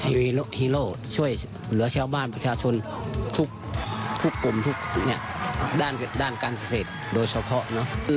ให้เป็นฮีโร่ช่วยเหลือเชี่ยวบ้านประชาชนทุกกลุ่มทุกด้านการเศรษฐ์โดยเฉพาะ